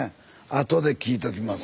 あとで聞いときます。